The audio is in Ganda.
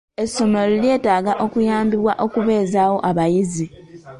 Essomero lyetaaga obuyambi obulala okubeezaawo abayizi.